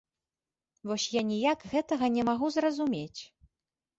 Вось я ніяк гэтага не магу зразумець.